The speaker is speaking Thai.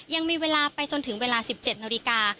ยังมีเวลาไปจนถึงเวลา๑๗นาฬิกา